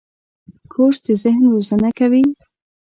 کورس د ذهن روزنه کوي.